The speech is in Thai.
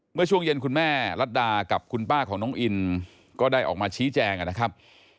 เมื่อช่วงเย็นคุณแม่รัฐดากับคุณป้าของน้องอินก็ได้ออกมาชี้แจงนะครับ